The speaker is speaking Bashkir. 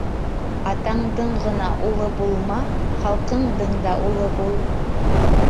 Атаңдың ғына улы булма, халҡыңдың да улы бул.